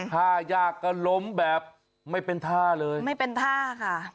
ท่ายากก็ล้มแบบไม่เป็นท่าเลยไม่เป็นท่าค่ะ